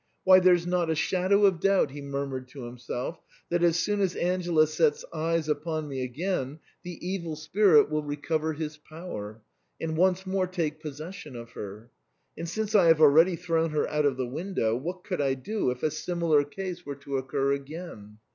" Why, there's not a shadow of doubt," he murmured to himself, " that as soon as Angela sets eyes upon me again the evil spirit will recover his power and once more take pos session of her. And since I have already thrown her out of the window, what could I do if a similar case were to occur again